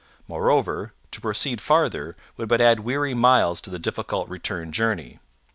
Moreover, to proceed farther would but add weary miles to the difficult return journey.